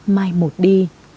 mai một đi